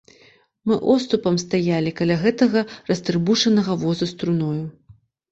Мы оступам стаялі каля гэтага растрыбушанага воза з труною.